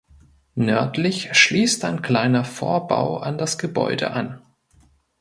Nördlich schließt ein kleiner Vorbau an das Gebäude an.